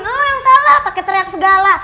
lo yang salah pake teriak segala